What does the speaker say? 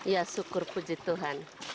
ya syukur puji tuhan